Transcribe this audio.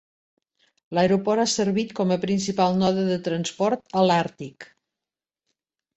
L'aeroport ha servit com a principal node de transport a l'Àrtic.